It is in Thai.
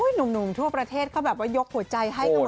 หนุ่มทั่วประเทศเขาแบบว่ายกหัวใจให้กันหมดเลยนะ